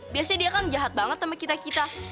biasanya dia kan jahat banget sama kita kita